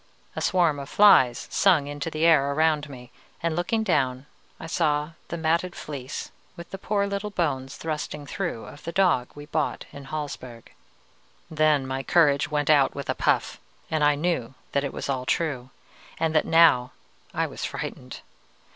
A swarm of flies sung into the air around me, and looking down I saw the matted fleece, with the poor little bones thrusting through, of the dog we had bought in Hallsberg. "Then my courage went out with a puff, and I knew that it all was true, and that now I was frightened.